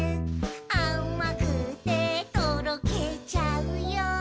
「あまくてとろけちゃうよ」